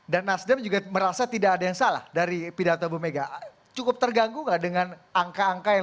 dan nasdem juga merasa tidak ada yang salah dari pidato bu mega cukup terganggu dengan angka angka yang